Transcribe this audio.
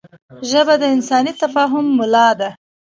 ژبه د انساني تفاهم ملا ده